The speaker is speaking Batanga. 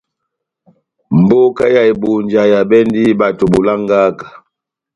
Mbóka ya Ebunja ehabɛndi bato bolangaka.